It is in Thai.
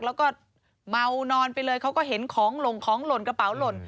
แล้วก็เมานอนไปเลยเขาก็เห็นของหลงของหล่นกระเป๋าหล่น